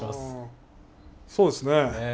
そうですね。